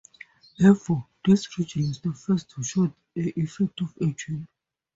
Therefore, this region is the first to show the effects of aging.